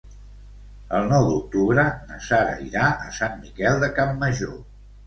El nou d'octubre na Sara irà a Sant Miquel de Campmajor.